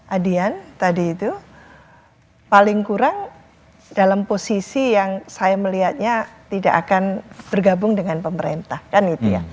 adian tadi itu paling kurang dalam posisi yang saya melihatnya tidak akan bergabung dengan pemerintah kan gitu ya